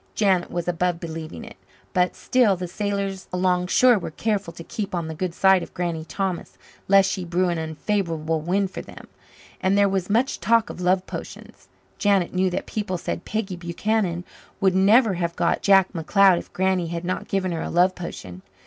Janet was above believing it; but still the sailors along shore were careful to "keep on the good side" of Granny Thomas, lest she brew an unfavourable wind for them, and there was much talk of love potions. Janet knew that people said Peggy Buchanan would never have got Jack McLeod if Granny had not given her a love potion.